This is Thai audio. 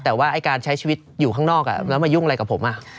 แต่ว่าการใช้ชีวิตอยู่ข้างนอกแล้วมายุ่งอะไรกับผม